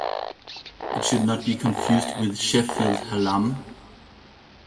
It should not be confused with Sheffield Hallam.